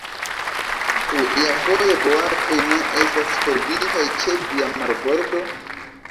Ĉu iafoje boatoj ne estas perditaj ĉe via marbordo?